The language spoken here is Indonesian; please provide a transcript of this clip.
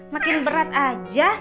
makin berat aja